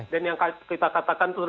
dan yang kita katakan itu